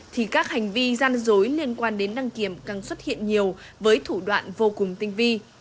thì các hành vi gian dối liên quan đến đăng kiểm càng xuất hiện nhiều với thủ đoạn vô cùng tinh vi